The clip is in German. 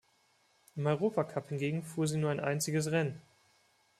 Im Europacup hingegen fuhr sie nur ein einziges Rennen.